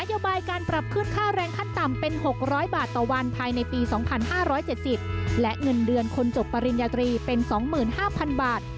โยบายการปรับขึ้นค่าแรงขั้นต่ำเป็น๖๐๐บาทต่อวันภายในปี๒๕๗๐และเงินเดือนคนจบปริญญาตรีเป็น๒๕๐๐๐บาท